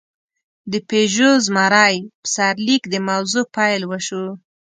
د «پيژو زمری» په سرلیک د موضوع پېل وشو.